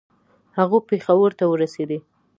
هغه پېښور ته ورسېدی.